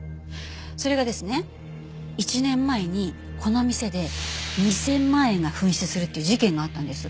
それがですね１年前にこの店で２０００万円が紛失するっていう事件があったんです。